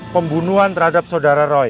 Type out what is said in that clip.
pembunuhan terhadap sodara roy